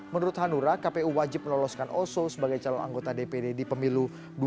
menurut hanura kpu wajib meloloskan oso sebagai calon anggota dpd di pemilu dua ribu sembilan belas